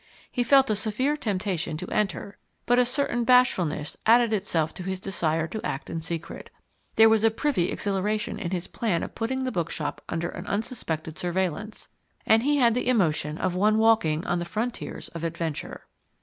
He felt a severe temptation to enter, but a certain bashfulness added itself to his desire to act in secret. There was a privy exhilaration in his plan of putting the bookshop under an unsuspected surveillance, and he had the emotion of one walking on the frontiers of adventure.